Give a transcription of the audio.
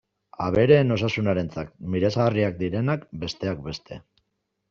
Abereen osasunarentzat miresgarriak direnak, besteak beste.